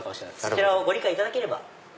そちらをご理解いただければ。